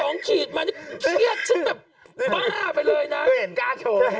น้ำ